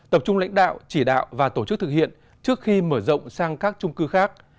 tập trung lãnh đạo chỉ đạo và tổ chức thực hiện trước khi mở rộng sang các trung cư khác